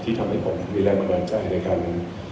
ที่ทำให้ผมมีแรงบันดาลใจนะครับ